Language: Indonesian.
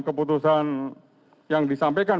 keputusan yang disampaikan